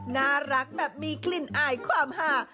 น่ารักแบบมีกลิ่นอายความหา